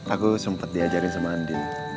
aku sempet diajarin sama andin